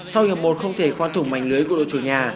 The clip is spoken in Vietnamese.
sau hiệp một không thể khoa thủng mảnh lưới của đội chủ nhà